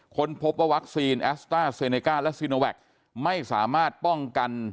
เขาโดนพบว่าวัคซีนแอสตาร์เซเนคาร์และซินโอแวคไม่สามารถป้องกัน